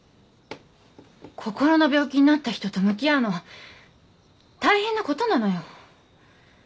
心の病気になった人と向き合うのは大変なことなのよ。